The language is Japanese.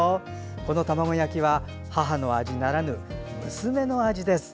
この卵焼きは母の味ならぬ、娘の味です。